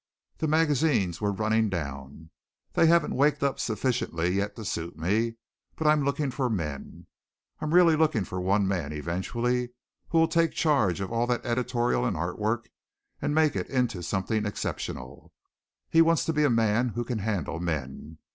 The magazines were running down. They haven't waked up sufficiently yet to suit me. But I'm looking for men. I'm really looking for one man eventually who will take charge of all that editorial and art work and make it into something exceptional. He wants to be a man who can handle men.